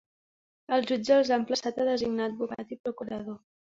Els jutge els ha emplaçat a designar advocat i procurador.